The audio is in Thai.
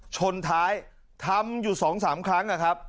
ชนท้ายทำอยู่๒๓ครั้ง